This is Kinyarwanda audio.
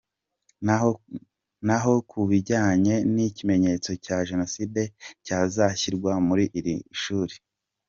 Naho ku bijyanye n’ikimenyetso cya Jenoside cyazashyirwa muri iri shuri, Dr.